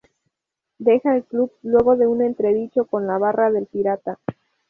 Deja el club luego de un entredicho con la "barra" del "Pirata".